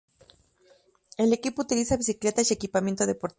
El equipo utiliza bicicletas y equipamiento deportivo.